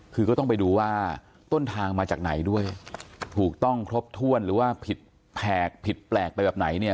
คือก็ต้องไปดูว่าต้นทางมาจากไหนด้วยถูกต้องครบถ้วนหรือว่าผิดแผกผิดแปลกไปแบบไหนเนี่ย